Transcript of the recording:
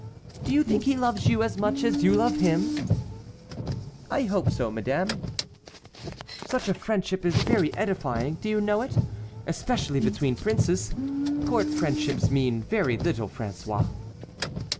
"Do you think he loves you as much as you love him?" "I hope so, madame." "Such a friendship is very edifying; do you know it? especially between princes. Court friendships mean very little, François."